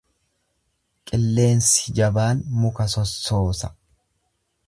Qilleensi jabaan muka sossoosa.